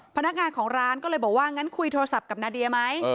พนักงานของร้านก็เลยบอกว่างั้นคุยโทรศัพท์กับนาเดียไหม